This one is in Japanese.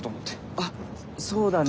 あっそうだね。